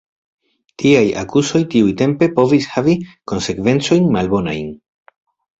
Tiaj akuzoj tiutempe povis havi konsekvencojn malbonajn.